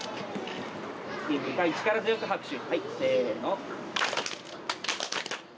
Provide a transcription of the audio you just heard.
２回、力強く拍手。